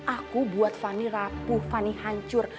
aku buat fanny rapuh fanny hancur